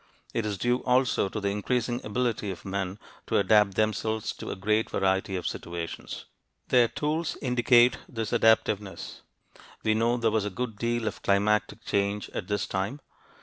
It is due also to the increasing ability of men to adapt themselves to a great variety of situations. Their tools indicate this adaptiveness. We know there was a good deal of climatic change at this time.